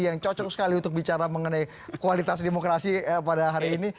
yang cocok sekali untuk bicara mengenai kualitas demokrasi pada hari ini